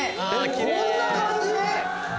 こんな感じ？